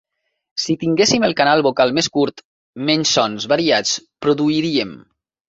Si tinguéssim el canal vocal més curt, menys sons variats produiríem.